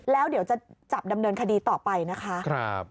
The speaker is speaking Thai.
แล้วเดี๋ยวจะจับดำเนินคดีต่อไปนะคะ